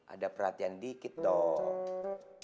ada perhatian dikit dong